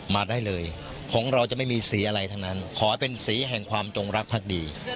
มาได้เลยของเราจะไม่มีสีอะไรทั้งนั้นขอให้เป็นสีแห่งความจงรักภักดี